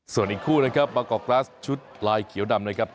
ส่วนอีกคู่นะครับบางกอกกราสชุดลายเขียวดำนะครับ